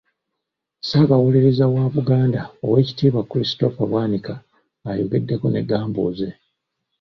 Ssaabawolerereza wa Buganda Oweekitiibwa Christopher Bwanika ayogedeko ne Gambuuze.